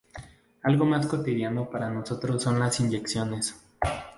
Algo más cotidiano para nosotros son las inyecciones.